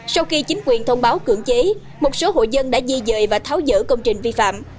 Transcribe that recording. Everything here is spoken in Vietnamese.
sau khi chính quyền thông báo cưỡng chế một số hộ dân đã di dời và tháo dỡ công trình vi phạm